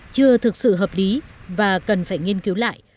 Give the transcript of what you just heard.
chưa thực sự hợp lý và cần phải nghiên cứu lại